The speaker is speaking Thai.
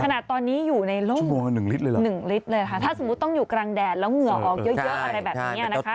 ขนาดตอนนี้อยู่ในร่ม๑ลิตรเลยเหรอคะถ้าสมมุติต้องอยู่กลางแดดแล้วเหงื่อออกเยอะอะไรแบบนี้นะคะ